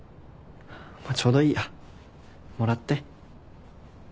ちょうどいいやもらって。